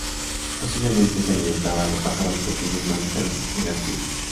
Posiblemente se alimentaba de pájaros, pequeños mamíferos y reptiles.